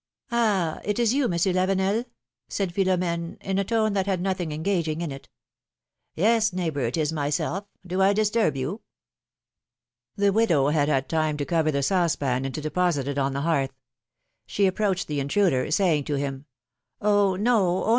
^^Ah ! it is you, Monsieur Lavenel ? said Philom^ne, in a tone that had nothing engaging in it. Yes, neighbor, it is myself; do I disturb you?^^ The widow had had time to cover the saucepan and to deposit it on the hearth ; she approached the intruder, saying to him : Oh I no ; oh